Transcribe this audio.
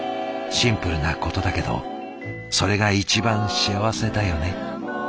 シンプルなことだけどそれが一番幸せだよね」。